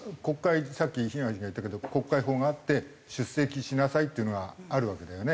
さっき東が言ったけど国会法があって出席しなさいっていうのがあるわけだよね。